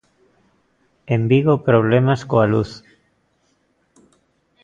En Vigo problemas coa luz.